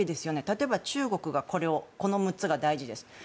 例えば、中国はこの６つが大事です。